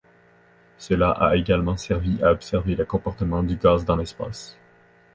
Cela a également servi à observer le comportement du gaz dans l'espace.